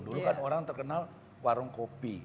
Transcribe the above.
dulu kan orang terkenal warung kopi